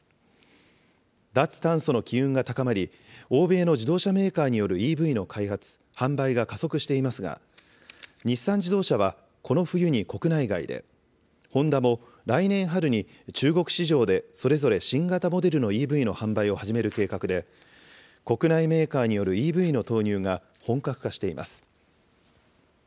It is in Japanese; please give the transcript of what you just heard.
脱炭素の機運が高まり、欧米の自動車メーカーによるＥＶの開発、販売が加速していますが、日産自動車はこの冬に国内外で、ホンダも来年春に中国市場で、それぞれ新型モデルのＥＶの販売を始める計画で、国内メーカーによるＥＶの投入が本格化しています。